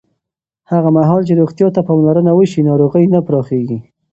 هغه مهال چې روغتیا ته پاملرنه وشي، ناروغۍ نه پراخېږي.